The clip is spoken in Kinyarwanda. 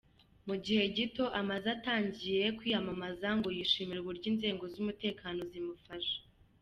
Mu gihe gito amaze atangiye kwiyamamaza ngo yishimira uburyo inzego z’umutekano zimufasha.